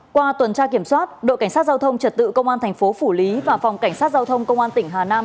qua tuần tra kiểm soát đội cảnh sát giao thông trật tự công an tp phủ lý và phòng cảnh sát giao thông công an tp hà nam